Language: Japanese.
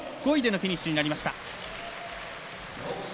５位でのフィニッシュになりました。